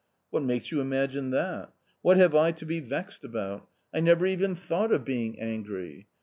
"What makes you imagine that? What have I to be vexed about ? I never even thought of being angry.